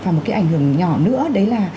và một cái ảnh hưởng nhỏ nữa đấy là